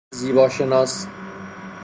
زیباشناس